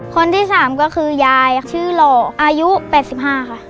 คนที่๓ก็คือยายชื่อหล่ออายุ๘๕ค่ะ